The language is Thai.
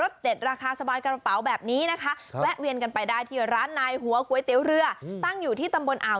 โทรสอบถามกันได้เลยนะจ้า